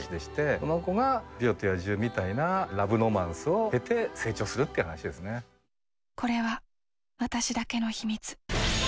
その子が美女と野獣みたいなラブロマンスを経て成長するっていうこれは私だけの秘密。